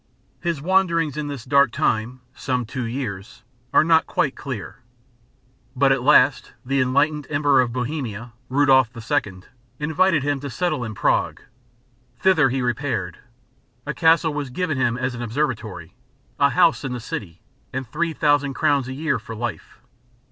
His wanderings in this dark time some two years are not quite clear; but at last the enlightened Emperor of Bohemia, Rudolph II., invited him to settle in Prague. Thither he repaired, a castle was given him as an observatory, a house in the city, and 3000 crowns a year for life.